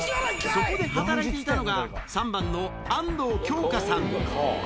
そこで働いていたのが、３番の安藤京香さん。